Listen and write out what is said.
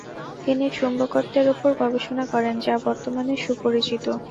তিনি চুম্বকত্বের উপর গবেষণা করেন, যা বর্তমানে সুপরিচিত।